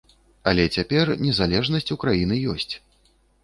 Але цяпер незалежнасць у краіны ёсць.